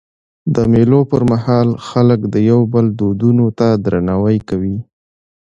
د مېلو پر مهال خلک د یو بل دودونو ته درناوی کوي.